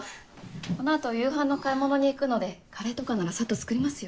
このあとお夕飯のお買い物に行くのでカレーとかならさっと作りますよ。